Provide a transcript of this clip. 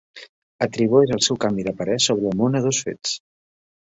Atribueix el seu canvi de parer sobre el món a dos fets.